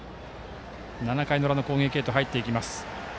７回の裏の攻撃へと入っていきます。